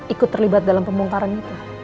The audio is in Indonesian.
ikut terlibat dalam pembongkaran itu